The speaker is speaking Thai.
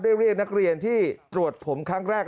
เรียกนักเรียนที่ตรวจผมครั้งแรก